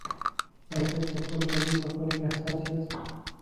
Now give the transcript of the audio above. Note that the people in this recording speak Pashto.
ایا تاسي د خپلو کالیو په پاکوالي کې حساس یاست؟